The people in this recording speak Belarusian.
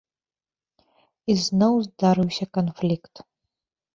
І зноў здарыўся канфлікт.